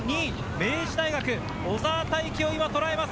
明治大学、小澤大輝を今、とらえます。